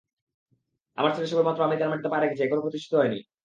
আমার ছেলে সবেমাত্র আমেরিকার মাটিতে পা রেখেছে, এখনো প্রতিষ্ঠিত হয়নি।